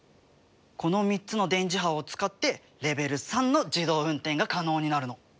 この３つの電磁波を使ってレベル３の自動運転が可能になるの。